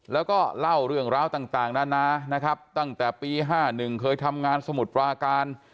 แล้วก็เล่าเรื่องราวต่างนานานะครับตั้งแต่ปี๕๑เคยทำงานสมุทรปราการ